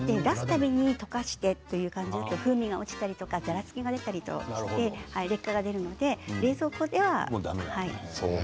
出す度に溶かしてという感じで風味が落ちたりざらつきが出たり劣化が出るので、冷蔵庫では。